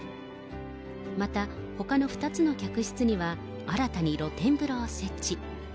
また、ほかの２つの客室には、新たに露天風呂を設置。